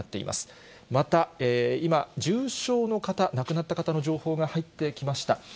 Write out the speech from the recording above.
また今、重症の方、亡くなった方の情報が入ってきました。